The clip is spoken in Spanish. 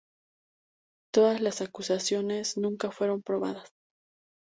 Todas las acusaciones nunca fueron probadas.